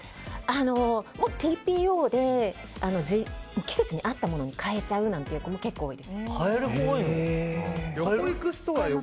ＴＰＯで、季節に合ったものに変えちゃうなんて子も結構多いです。